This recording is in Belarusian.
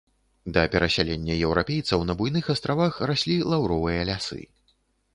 Да перасялення еўрапейцаў на буйных астравах раслі лаўровыя лясы.